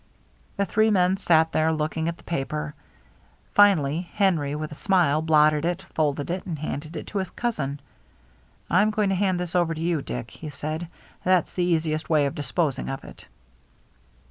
The three men sat there looking at the paper. Finally Henry, with a smile, blotted it, folded it, and handed it to his cousin. " I'm going to hand this over to you, Dick," he said. " That's the easiest way of disposing of it."